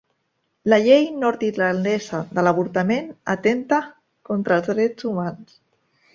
La llei nord-irlandesa de l'avortament atempta contra els drets humans